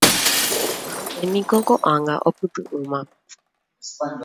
ha'éniko ko'ág̃a opytu'ũma